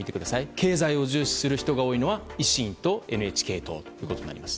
経済を重視する人が多いのは維新とＮＨＫ党となります。